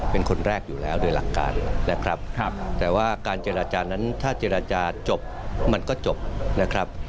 เป็นคนแรกอยู่แล้วโดยหลักการนะครับแต่ว่าการเจรจานั้นถ้าเจรจาจบมันก็จบนะครับ